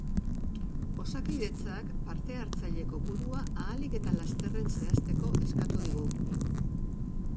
Osakidetzak parte-hartzaile kopurua ahalik eta lasterren zehazteko eskatu digu.